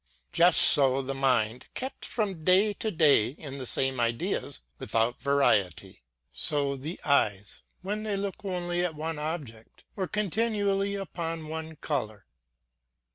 Just so the mind, kept from day to day in the same ideas, without variety. So tlie eyes, when they look only at one object, or continually upon one color.